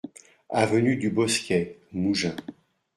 Avenue du Bosquet, Mougins